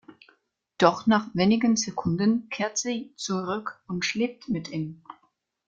Doch nach wenigen Sekunden kehrt sie zurück und schläft mit ihm.